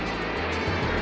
jangan makan aku